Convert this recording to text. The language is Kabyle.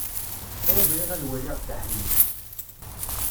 Ur bɣiɣ ad waliɣ Dda Ḥemmu.